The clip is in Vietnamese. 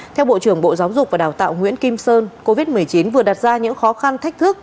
theo bộ trưởng bộ giáo dục và đào tạo nguyễn kim sơn covid một mươi chín vừa đặt ra những khó khăn thách thức